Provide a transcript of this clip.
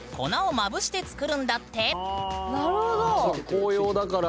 紅葉だから。